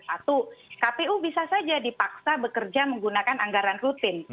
satu kpu bisa saja dipaksa bekerja menggunakan anggaran rutin